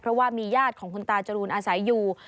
เพราะว่ามีญาติของคุณตาจรูนอาศัยอยู่